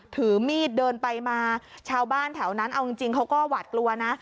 ถือมีดเดินไปมาชาวบ้านแถวนั้นเอาจริงเขาก็หวาดกลัวนะ